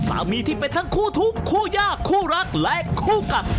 ที่เป็นทั้งคู่ทุกข์คู่ยากคู่รักและคู่กัด